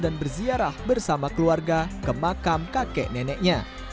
dan berziarah bersama keluarga ke makam kakek neneknya